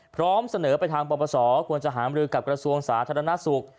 พร้อมเสนอไปทางประวัติศาสตร์ควรจะหามลือกับกระทรวงสาธารณสุข